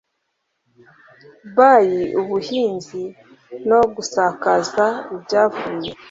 By ubuhinzi no gusakaza ibyavuye